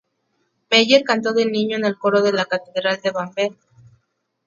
Mayer cantó de niño en el coro de la catedral de Bamberg.